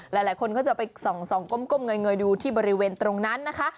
หลายคนก็จะไปส่องก้มเงยดูที่บริเวณตรงนั้นนะคะ